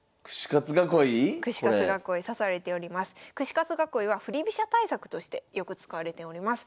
串カツ囲いは振り飛車対策としてよく使われております。